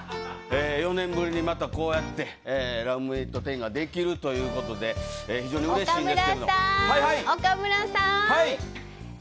４年ぶりに、またこうやってラブメイト１０ができるということで非常にうれしいですけど。